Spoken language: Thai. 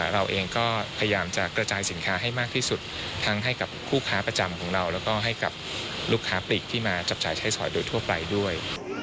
เราเองก็พยายามจะกระจายสินค้าให้มากที่สุดทั้งให้กับผู้ค้าประจำของเราแล้วก็ให้กับลูกค้าปลีกที่มาจับจ่ายใช้สอยโดยทั่วไปด้วย